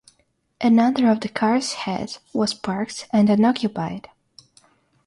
Another of the cars hit was parked and unoccupied.